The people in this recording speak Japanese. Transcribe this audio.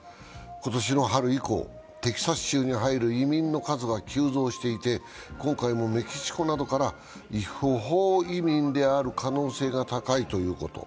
今年の春以降、テキサス州に入る移民の数が急増していて今回も、メキシコなどから不法移民である可能性が高いということ。